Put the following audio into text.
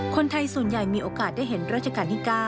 คนไทยส่วนใหญ่มีโอกาสได้เห็นราชการที่๙